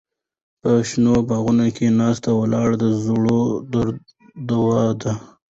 په شنو باغونو کې ناسته ولاړه د زړه درد دوا ده.